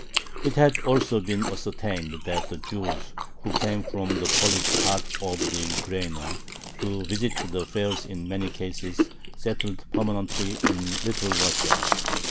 It had also been ascertained that the Jews who came from the Polish part of the Ukraina to visit the fairs in many cases settled permanently in Little Russia.